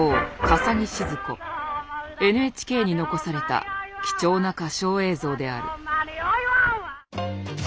ＮＨＫに残された貴重な歌唱映像である。